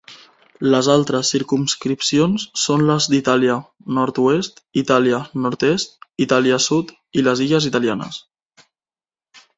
Les altres circumscripcions són les d'Itàlia nord-oest, Itàlia nord-est, Itàlia sud i les Illes italianes.